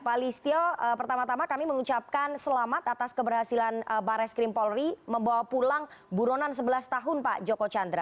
pak listio pertama tama kami mengucapkan selamat atas keberhasilan barres krim polri membawa pulang buronan sebelas tahun pak joko chandra